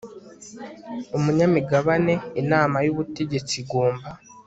umunyamigabane inama y ubutegetsi igomba